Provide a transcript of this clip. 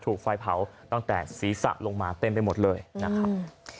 ถูกไฟเผาตั้งแต่ศีรษะลงมาเต็มไปหมดเลยนะครับ